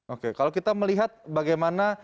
oke kalau kita melihat bagaimana